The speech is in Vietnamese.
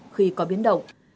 khi có biến động